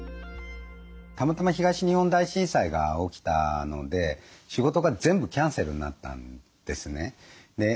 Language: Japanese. たまたま東日本大震災が起きたので仕事が全部キャンセルになったんですね。